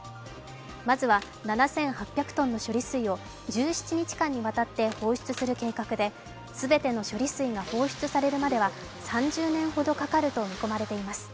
まずは７８００ｔの処理水を１７日間にわたって放出する計画で全ての処理水が放出されるまでは３０年ほどかかると見込まれています。